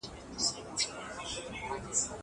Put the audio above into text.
د خوښۍ نوى نهال وو